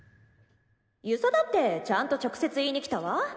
遊佐だってちゃんと直接言いに来たわ。